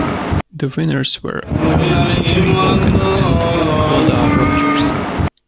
The winners were Ireland's Terry Wogan and Clodagh Rodgers.